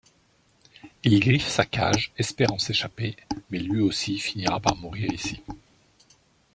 Il griffe sa cage, espérant s’échapper, mais lui aussi finira par mourir ici.